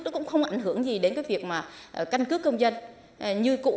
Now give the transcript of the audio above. nó cũng không ảnh hưởng gì đến cái việc mà căn cước công dân như cũ